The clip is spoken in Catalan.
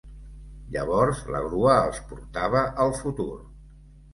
Llavors, la grua els portava al futur.